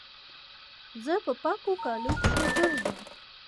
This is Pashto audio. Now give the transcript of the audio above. زه په پاکو کالو کښي ګرځم.